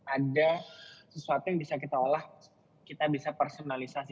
ada sesuatu yang bisa kita olah kita bisa personalisasi